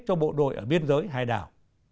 cho bộ đội ở biên giới hai đảo